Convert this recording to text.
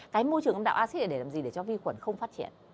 cái môi trường âm đạo acid là để làm gì để cho vi khuẩn không phát triển